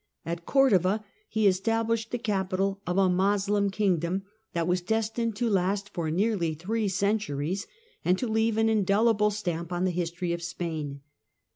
At Cordova he estab lished the capital of a Moslem kingdom that was destined to last for nearly three centuries and to leave an indelible stamp on the history of Spain.